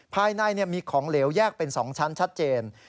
ภายในมีของเหลวแยกเป็น๒ชั้นชัดเจน